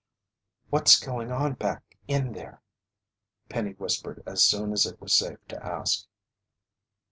"What's going on back in there?" Penny whispered as soon as it was safe to ask.